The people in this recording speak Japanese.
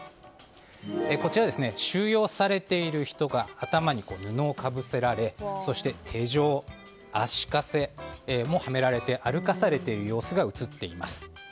こちらは収容されている人が頭に布をかぶせられて手錠、足かせもはめられて歩かされている様子が写っています。